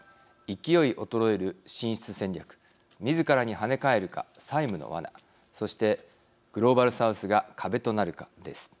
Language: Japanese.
勢い衰える進出戦略自らに跳ね返るか“債務のワナ”そしてグローバル・サウスが“壁”となるかです。